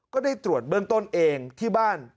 ก็ได้ตรวจเบื้องต้นเองที่บ้าน